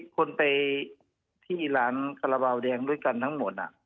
คนไปที่ร้านคาราบาลแดงด้วยกันทั้งหมด